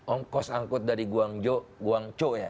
ongkos angkut dari guangco